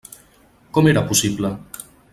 Com era possible?